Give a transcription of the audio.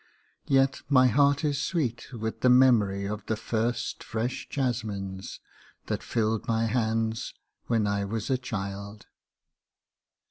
Yet my heart is sweet with the memory of the first fresh jasmines that filled my hands when I was a child.